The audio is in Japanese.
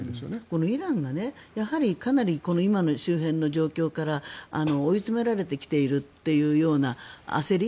このイランがかなり今の周辺の状況から追い詰められてきているというような焦り